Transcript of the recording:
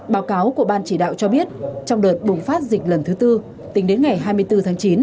báo cáo của ban chỉ đạo cho biết trong đợt bùng phát dịch lần thứ tư tính đến ngày hai mươi bốn tháng chín